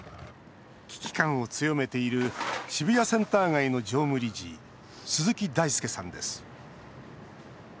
危機感を強めている渋谷センター街の常務理事鈴木大輔さんです。